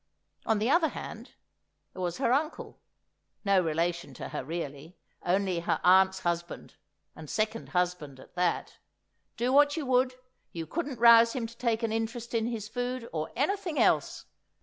On the other hand, there was her uncle (no relation to her really, only her aunt's husband, and second husband at that), do what you would, you couldn't rouse him to take an interest in his food or anything else.